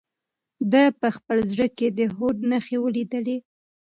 ده په خپل زړه کې د هوډ نښې ولیدلې.